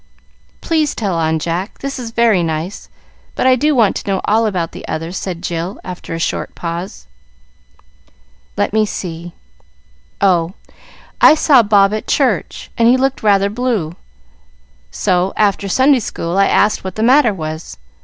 "Please tell on, Jack. This is very nice, but I do want to know all about the other," said Jill, after a short pause. "Let me see. Oh, I saw Bob at church, and he looked rather blue; so, after Sunday School, I asked what the matter was.